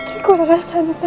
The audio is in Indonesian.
putriku jangan santai